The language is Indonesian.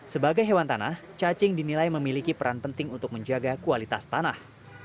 sebagai hewan tanah cacing dinilai memiliki peran penting untuk menjaga kualitas tanah